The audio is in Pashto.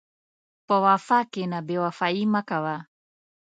په وفا کښېنه، بېوفایي مه کوه.